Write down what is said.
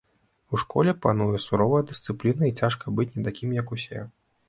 У школе пануе суровая дысцыпліна і цяжка быць не такім, як усе.